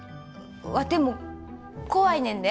ワテも怖いねんで。